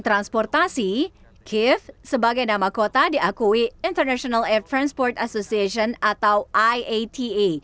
transportasi kiev sebagai nama kota diakui international air transport association atau iata